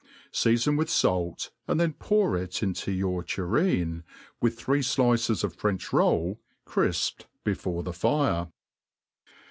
Seafon with fait, and thei| pour it into your tureen, with three flices of French roll crifpt before the fire.